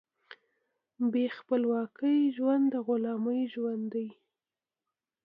بې خپلواکۍ ژوند د غلامۍ ژوند دی.